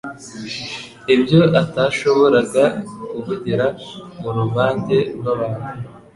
ibyo atashoboraga kuvugira mu ruvange rw'abantu.